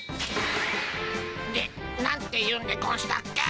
でなんて言うんでゴンしたっけ？